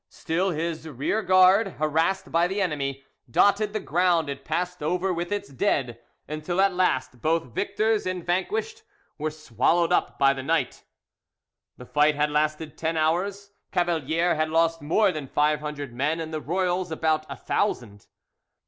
Still his rearguard, harassed by the enemy, dotted the ground it passed over with its dead, until at last both victors and vanquished were swallowed up by night. The fight had lasted ten hours, Cavalier had lost more than five hundred men, and the royals about a thousand.